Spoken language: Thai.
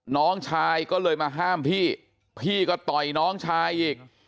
น้องชายก็เลยมาห้ามพี่พี่ก็ต่อยน้องชายอีก